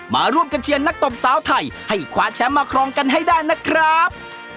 มาร่วมกันเชียร์นักตบสาวไทยให้คว้าแชมป์มาครองกันให้ได้นะครับ